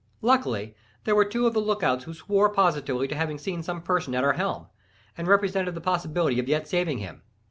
Luckily, there were two of the look out who swore positively to having seen some person at our helm, and represented the possibility of yet saving him.